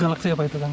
galaksi apa itu